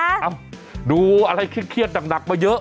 เอ้าดูอะไรเครียดหนักมาเยอะ